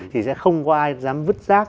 thì sẽ không có ai dám vứt rác